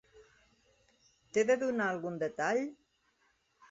T'he de donar algun detall?